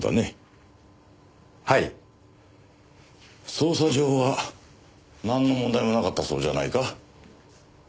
捜査上はなんの問題もなかったそうじゃないか。